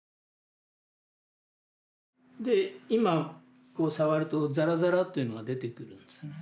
で今こう触るとザラザラっていうのが出てくるんですね。